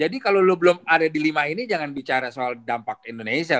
jadi kalo lo belum ada di lima ini jangan bicara soal dampak indonesia